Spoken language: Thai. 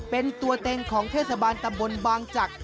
เป็นตัวเต็งของเทศบาลตำบลบางจักร